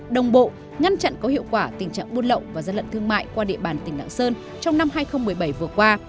đồng bộ ngăn chặn có hiệu quả tình trạng buôn lậu và gian lận thương mại qua địa bàn tỉnh lạng sơn trong năm hai nghìn một mươi bảy vừa qua